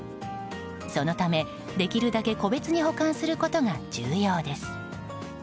そのため、できるだけ個別に保管することが重要です。